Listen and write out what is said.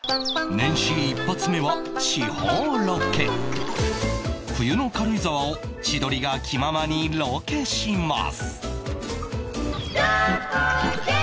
年始一発目は地方ロケ冬の軽井沢を千鳥が気ままにロケします